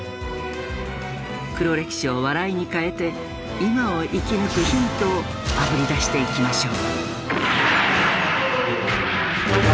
黒歴史を笑いに変えて今を生き抜くヒントをあぶり出していきましょう。